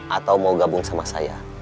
atau mau gabung sama saya